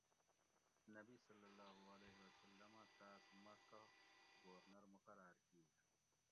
نبی (ص) ھہ تاۤس مکہ گورنر مقرار کِیر